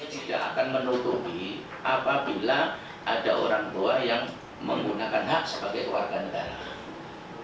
saya tidak akan menutupi apabila ada orang tua yang menggunakan hak sebagai keluarga negara